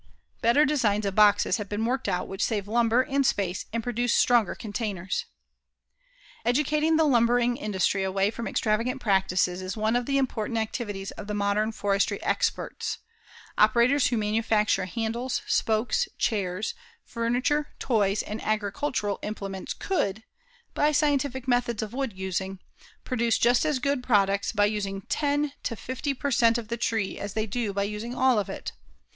Better designs of boxes have been worked out which save lumber and space and produce stronger containers. Educating the lumbering industry away from extravagant practices is one of the important activities of the modern forestry experts. Operators who manufacture handles, spokes, chairs, furniture, toys and agricultural implements could, by scientific methods of wood using, produce just as good products by using 10 to 50 per cent. of the tree as they do by using all of it.